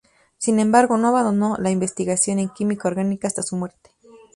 Sin embargo no abandonó la investigación en química orgánica hasta su muerte.